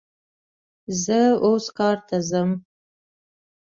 زه اوس کار ته ځم